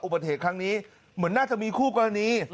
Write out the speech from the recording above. อุบัติเหตุครั้งนี้เหมือนน่าจะมีคู่กรณี